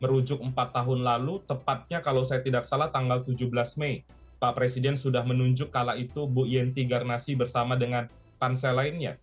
merujuk empat tahun lalu tepatnya kalau saya tidak salah tanggal tujuh belas mei pak presiden sudah menunjuk kala itu bu yenti garnasi bersama dengan pansel lainnya